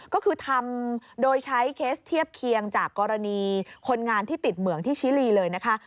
ก็คือทำโดยใช้เคสเทียบเคียงจากกรณีคนงานที่ติดเหมืองที่ชิลีเลยนะคะ